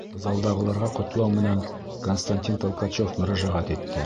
Залдағыларға ҡотлау менән Константин Толкачев мөрәжәғәт итте.